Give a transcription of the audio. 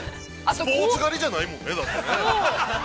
◆スポーツ刈りじゃないもんね、だって。